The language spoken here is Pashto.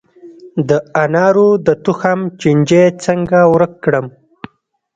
د انارو د تخم چینجی څنګه ورک کړم؟